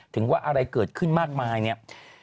ถึงว่าอะไรเกิดขึ้นมากมายเนี่ย